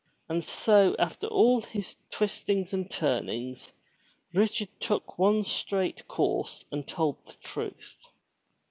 And so after all his twistings and turnings, Richard took the one straight course and told the truth.